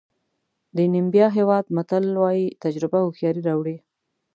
د نیمبیا هېواد متل وایي تجربه هوښیاري راوړي.